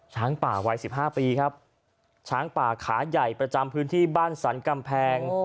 ช้างป่าวัยสิบห้าปีครับช้างป่าขาใหญ่ประจำพื้นที่บ้านสรรกำแพง